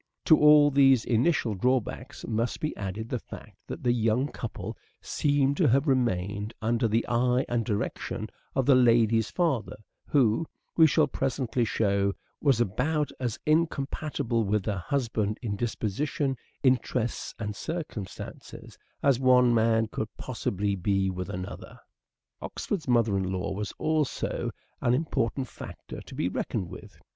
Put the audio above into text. To all these initial drawbacks must be added the fact that the young couple seem to have EARLY MANHOOD OF EDWARD DE VERE 259 remained under the eye and direction of the lady's father who, we shall presently show, was about as incompatible with her husband in disposition, interests and circumstances as one man could possibly be with another. Oxford's mother in law was also an im portant factor to be reckoned with.